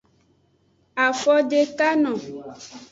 Afodekano.